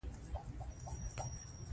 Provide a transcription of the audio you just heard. چې پانګه یې خوندي ده.